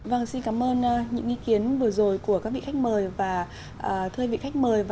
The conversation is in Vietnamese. vâng xin cảm ơn những ý kiến vừa rồi của các vị khách mời và thưa vị khách mời